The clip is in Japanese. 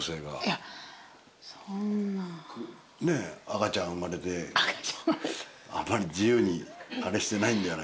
赤ちゃん生まれてあんまり自由にあれしてないんではないかと。